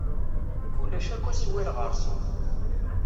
Ulac akk aswir ɣer-sen.